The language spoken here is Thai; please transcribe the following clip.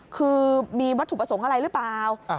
คือมีวัตถุประสงค์อะไรหรือเปล่า